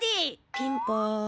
ピンポーン！